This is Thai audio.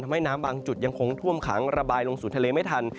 ทำให้น้ำบางจุดยังคงท่วมขังระบายลงสู่ทะเลไม่ทัน